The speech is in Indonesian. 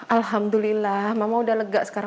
alhamdulillah mama udah lega sekarang